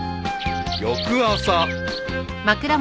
［翌朝］